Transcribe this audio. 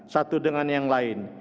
satu dengan yang lain